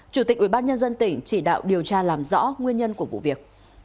chủ tịch ubnd tỉnh chỉ đạo điều tra làm rõ nguyên nhân của vụ việc